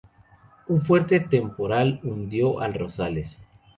Un fuerte temporal hundió al "Rosales".